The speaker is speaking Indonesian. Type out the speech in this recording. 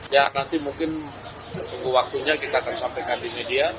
ya nanti mungkin waktunya kita akan sampaikan di media